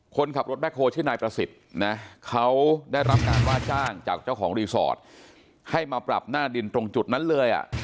คนขับรถแบ็คโฮชื่อนายประสิทธิ์นะเขาได้รับการว่าจ้างจากเจ้าของรีสอร์ทให้มาปรับหน้าดินตรงจุดนั้นเลยอ่ะ